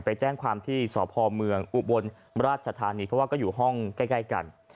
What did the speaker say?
ไปแจ้งความที่สพเมืองอุบลราชธานีเพราะว่าก็อยู่ห้องใกล้กัน